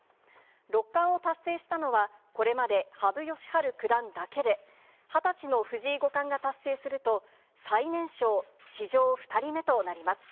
六冠を達成したのは、これまで羽生善治九段だけで、２０歳の藤井五冠が達成すると、最年少、史上２人目となります。